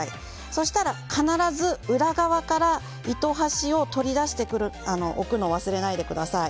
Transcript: そしたら、必ず裏側から糸端を取り出しておくのを忘れないでください。